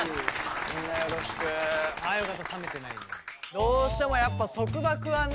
どうしてもやっぱ束縛はね。